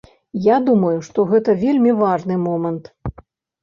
Я думаю, што гэта вельмі важны момант.